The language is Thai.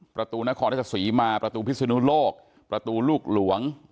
ประตูนครราชสีมาประตูพิศนุโลกประตูลูกหลวง